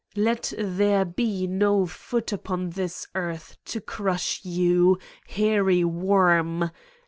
Let there be no foot upon this earth to crush you, hairy worm.